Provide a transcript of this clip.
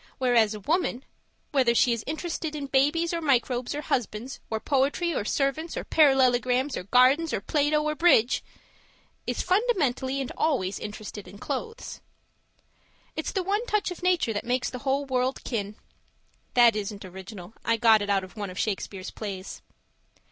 Whereas a woman whether she is interested in babies or microbes or husbands or poetry or servants or parallelograms or gardens or Plato or bridge is fundamentally and always interested in clothes. It's the one touch of nature that makes the whole world kin. (That isn't original. I got it out of one of Shakespeare's plays).